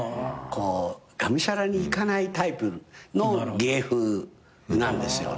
がむしゃらにいかないタイプの芸風なんですよね。